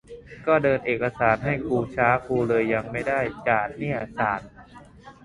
ก็เดินเอกสารให้กุช้า กุเลยยังไม่ได้จ่ายเนี่ย สาด